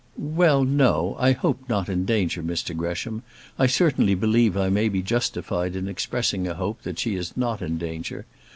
"Well, no; I hope not in danger, Mr Gresham. I certainly believe I may be justified in expressing a hope that she is not in danger.